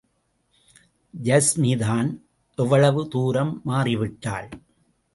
யாஸ்மிதான் எவ்வளவு தூரம் மாறிவிட்டாள்?